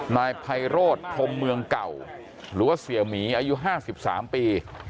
นายไพโรธพรมเมืองเก่าหรือว่าเสียหมีอายุ๕๓ปี